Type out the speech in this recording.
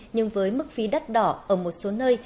nhưng với mức phí đắt đỏ ở một số nơi